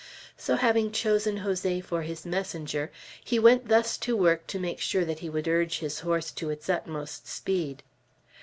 So, having chosen Jose for his messenger, he went thus to work to make sure that he would urge his horse to its utmost speed.